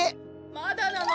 ・まだなの？